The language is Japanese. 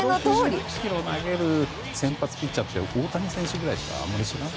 １６０キロ投げる先発ピッチャーって大谷選手くらいしか知らない。